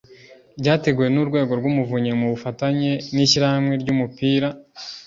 ryateguwe n urwego rw umuvunyi mu bufatanye n ishyirahamwe ry umupira